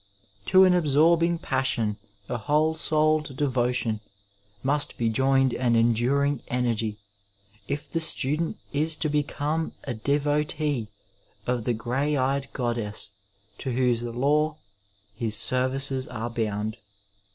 To an absorbing passion, a whole souled devotion, must be joined an enduring energy, if the student is to be come a devotee of the grey eyed goddess to whose law his services are bound.